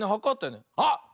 あっ！